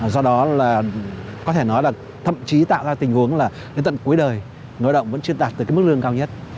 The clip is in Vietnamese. do đó có thể nói là thậm chí tạo ra tình huống là đến tận cuối đời ngôi động vẫn chưa đạt được mức lương cao nhất